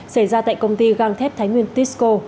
xảy ra tại công ty găng thép thái nguyên tisco